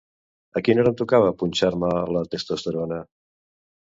A quina hora em tocava punxar-me la testosterona?